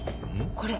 これ。